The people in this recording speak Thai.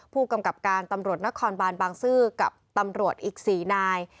ผู้กำกับการตำรวจนครบานบางซื่อกับตำรวจอีก๔นาย